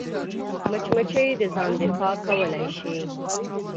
مچمچۍ د ځان دفاع کولی شي